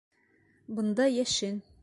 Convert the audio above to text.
Бында йәшен!